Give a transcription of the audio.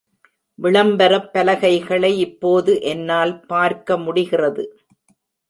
விளம்பரப் பலகைகளை இப்போது என்னால் பார்க்க முடிகிறது.